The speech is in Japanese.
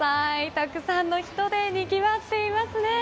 たくさんの人でにぎわっています。